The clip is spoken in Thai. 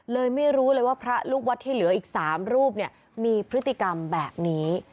ไม่รู้เลยว่าพระลูกวัดที่เหลืออีก๓รูปมีพฤติกรรมแบบนี้